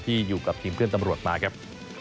อยู่กับทีมเพื่อนตำรวจมาครับ